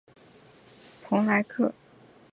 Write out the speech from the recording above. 蒙克莱。